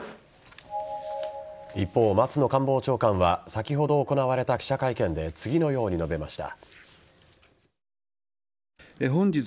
一方、松野官房長官は先ほど行われた記者会見で次のように述べました。